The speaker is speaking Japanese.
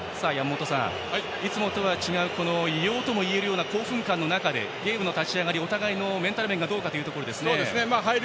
山本さん、いつもとは違う異様ともいえるような興奮感の中ゲームの立ち上がりお互いのメンタル面がどうかですね。